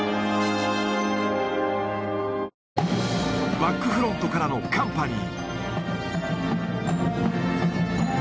バックフロントからのカンパニー。